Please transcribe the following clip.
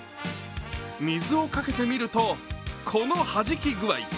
水をかけてみるとこのはじき具合。